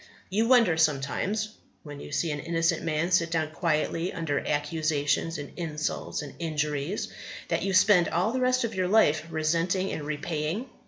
You wonder sometimes when you see an innocent man sit down quietly under accusations and insults and injuries that you spend all the rest of your life resenting and repaying.